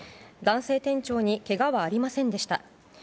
男性店長にけがはありませんでした。